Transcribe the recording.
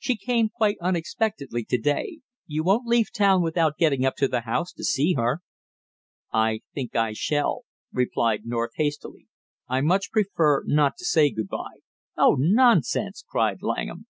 She came quite unexpectedly to day; you won't leave town without getting up to the house to see her?" "I think I shall," replied North hastily. "I much prefer not to say good by." "Oh, nonsense!" cried Langham.